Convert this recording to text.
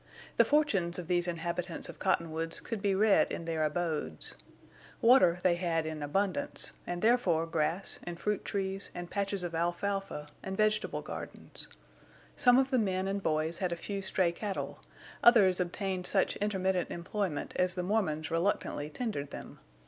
The fortunes of these inhabitants of Cottonwoods could be read in their abodes. Water they had in abundance, and therefore grass and fruit trees and patches of alfalfa and vegetable gardens. Some of the men and boys had a few stray cattle, others obtained such intermittent employment as the Mormons reluctantly tendered them.